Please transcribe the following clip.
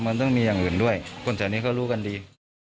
มันต้องมีอย่างอื่นด้วยคนแถวนี้ก็รู้กันดี